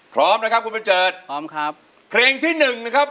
พร้อมนะครับคุณบันเจิดพร้อมครับเพลงที่หนึ่งนะครับ